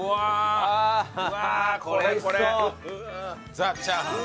ザ・チャーハン。